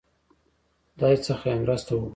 خدای څخه یې مرسته وغوښته.